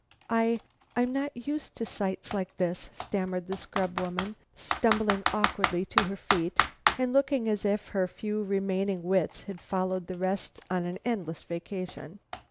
"I I'm not used to sights like this," stammered the scrub woman, stumbling awkwardly to her feet, and looking as if her few remaining wits had followed the rest on an endless vacation.